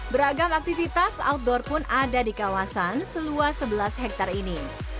beragam aktivitas outdoor pun ada di kawasan seluas sebelas hektare ini